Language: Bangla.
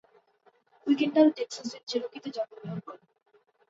কুইকেন্ডাল টেক্সাসের চেরোকিতে জন্মগ্রহণ করেন।